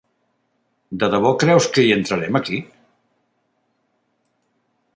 De debò creus que hi entrarem aquí?